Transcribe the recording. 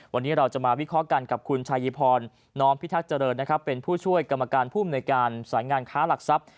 วันนี้เราจะมาวิเคราะห์กันกับคุณชายิพรน้อมพิทักษ์เจริญนะครับเป็นผู้ช่วยกรรมการภูมิในการสายงานค้าหลักทรัพย์